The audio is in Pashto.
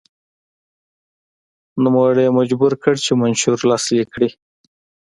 نوموړی یې مجبور کړ چې منشور لاسلیک کړي.